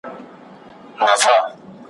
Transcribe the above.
پر منبر یې نن ویله چي غلام به وي مختوری `